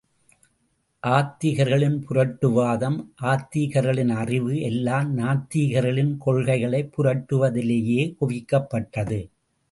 ஆத்திகர்களின் புரட்டுவாதம் ஆத்திகர்களின் அறிவு எல்லாம், நாத்திகர்களின் கொள்கைளை புரட்டுவதிலேயே குவிக்கப்பட்டது.